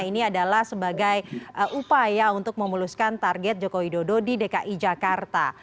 ini adalah sebagai upaya untuk memuluskan target jokowi dodo di dki jakarta